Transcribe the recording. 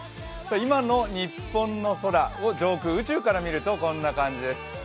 今の日本の空を上空、宇宙から見るとこんな感じです。